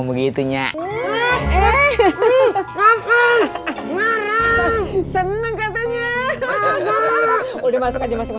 buka kenapa ditekuk begitu sih